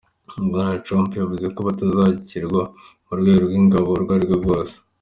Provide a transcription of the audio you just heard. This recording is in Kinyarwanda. Bwana Trump yavuze ko batazakirwa mu rwego rw'ingabo urwo ari rwo rwose.